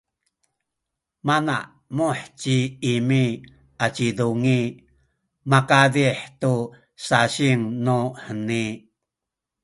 manamuh ci Imi aci Dungi makazih tu syasing nuheni.